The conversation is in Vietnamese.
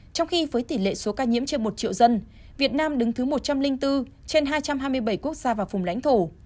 trong khi với tỷ lệ số ca nhiễm trên một triệu dân việt nam đứng thứ một trăm linh bốn trên hai trăm hai mươi bảy quốc gia và vùng lãnh thổ